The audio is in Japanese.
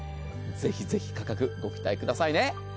ぜひ価格、ご期待くださいね。